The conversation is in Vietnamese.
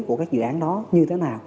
của các dự án đó như thế nào